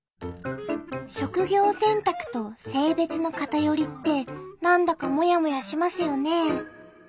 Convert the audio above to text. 職業選択と性別の偏りって何だかもやもやしますよね。